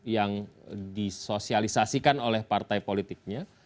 yang disosialisasikan oleh partai politiknya